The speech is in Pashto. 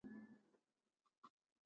که حاجي ارزښت ورکړی وای